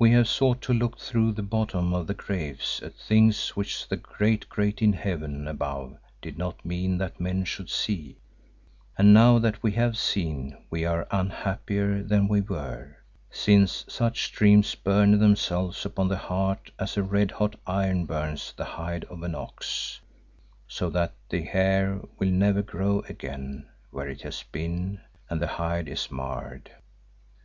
"We have sought to look through the bottom of the grave at things which the Great Great in Heaven above did not mean that men should see, and now that we have seen we are unhappier than we were, since such dreams burn themselves upon the heart as a red hot iron burns the hide of an ox, so that the hair will never grow again where it has been and the hide is marred.